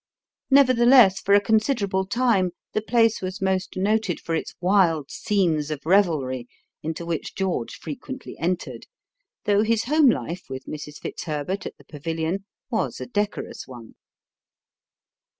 Nevertheless, for a considerable time the place was most noted for its wild scenes of revelry, into which George frequently entered, though his home life with Mrs. Fitzherbert at the Pavilion was a decorous one.